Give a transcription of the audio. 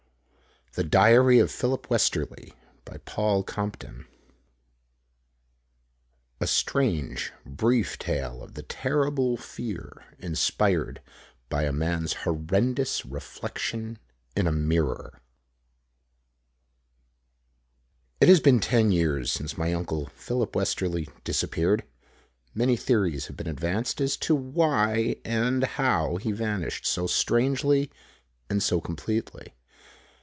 The Diary of Philip Westerly By PAUL COMPTON A strange, brief tale of the terrible fear inspired by a man's horrendous reflection in a mirror It has been ten years since my uncle, Philip Westerly, disappeared. Many theories have been advanced as to why and how he vanished so strangely and so completely.